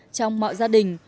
trong mọi gia đình